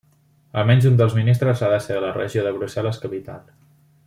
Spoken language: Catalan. Almenys un dels ministres ha de ser de la Regió de Brussel·les-Capital.